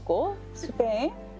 スペイン？